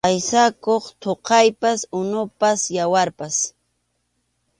Aysakuq thuqaypas, unupas, yawarpas.